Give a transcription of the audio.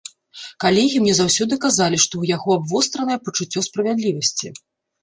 Калегі мне заўсёды казалі, што ў яго абвостранае пачуццё справядлівасці.